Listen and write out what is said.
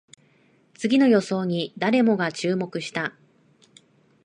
次の予想に誰もが注目した